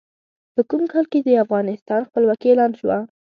په کوم کال کې د افغانستان خپلواکي اعلان شوه؟